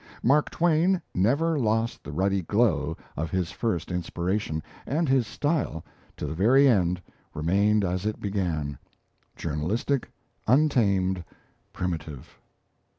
Mark Twain never lost the ruddy glow of his first inspiration, and his style, to the very end, remained as it began journalistic, untamed, primitive.